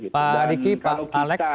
pak diki pak alex